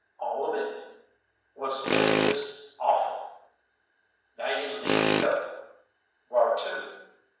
"All of it?" "What's left is offal. Now you leave me go!" "Whar to?"